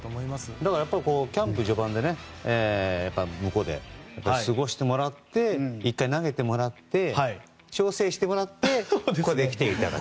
だから、キャンプ序盤で向こうで過ごしてもらって１回投げてもらって調整してもらってここに来ていただくと。